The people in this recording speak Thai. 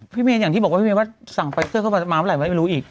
พี่เมฆอย่างที่บอกว่าพี่เมฆว่าสั่งไฟซ่อเข้ามาเมื่อไหร่แล้วไม่รู้อีก